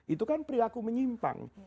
itu kan perilaku menyimpang